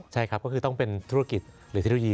ใช่ครับก็คือต้องเป็นธุรกิจหรือเทคโนโลยี